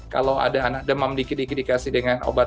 kalau ada anak demam dikit dikit dikasih dengan obat